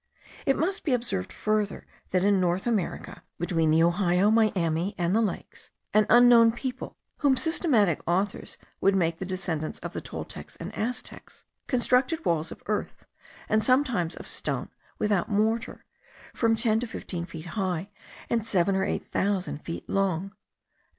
It must be observed further, that in North America, between the Ohio, Miami, and the Lakes, an unknown people, whom systematic authors would make the descendants of the Toltecs and Aztecs, constructed walls of earth and sometimes of stone without mortar,* from ten to fifteen feet high, and seven or eight thousand feet long.